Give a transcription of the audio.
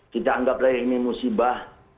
kita anggap raya ini musibah